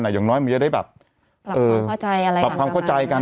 อย่างน้อยมันจะได้แบบปรับความเข้าใจกัน